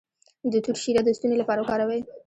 د توت شیره د ستوني لپاره وکاروئ